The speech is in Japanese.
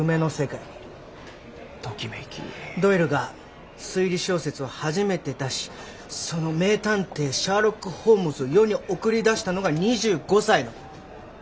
ドイルが推理小説を初めて出しその名探偵シャーロック・ホームズを世に送り出したのが２５歳の頃。